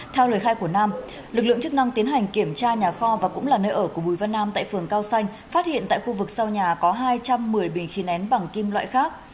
theo lời khai của nam lực lượng chức năng tiến hành kiểm tra nhà kho và cũng là nơi ở của bùi văn nam tại phường cao xanh phát hiện tại khu vực sau nhà có hai trăm một mươi bình khí nén bằng kim loại khác